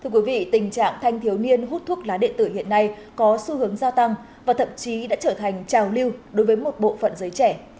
thưa quý vị tình trạng thanh thiếu niên hút thuốc lá điện tử hiện nay có xu hướng gia tăng và thậm chí đã trở thành trào lưu đối với một bộ phận giới trẻ